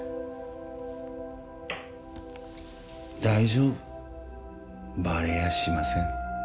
大丈夫バレやしません